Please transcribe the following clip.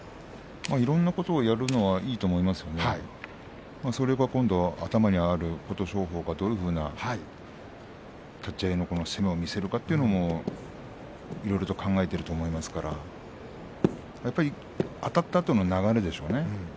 いろんなことをやるのはいいと思うんですがそれが頭にある琴勝峰がどういう立ち合いの攻めを見せるかいろいろと考えていると思いますからやっぱり、あたったあとの流れでしょうね